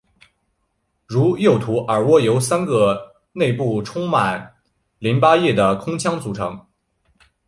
如右图耳蜗由三个内部充满淋巴液的空腔组成。